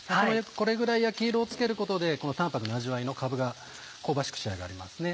これぐらい焼き色をつけることで淡泊な味わいのかぶが香ばしく仕上がりますね。